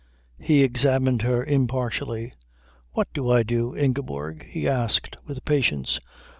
He examined her impartially. "What do I do, Ingeborg?" he asked with patience.